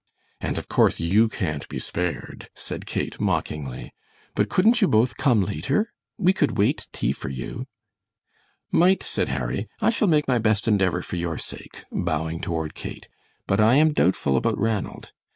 "And, of course, you can't be spared," said Kate, mockingly. "But couldn't you both come later? We could wait tea for you. "Might," said Harry. "I shall make my best endeavor for your sake," bowing toward Kate, "but I am doubtful about Ranald.